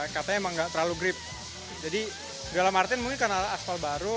katanya emang nggak terlalu grip jadi dalam artian mungkin karena aspal baru